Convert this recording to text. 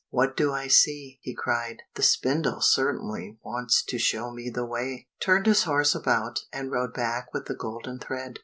"What do I see?" he cried; "the spindle certainly wants to show me the way!" turned his horse about, and rode back with the golden thread.